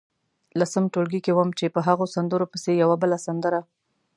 لسم ټولګي کې وم چې په هغو سندرو پسې یوه بله سندره.